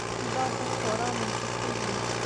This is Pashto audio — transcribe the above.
دا به خورا منطقي وي.